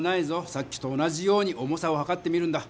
さっきと同じように重さをはかってみるんだ。